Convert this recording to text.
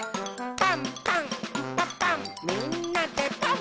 「パンパンんパパンみんなでパン！」